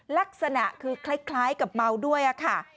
ลักษณะคือคล้ายกับเมาด้วยค่ะ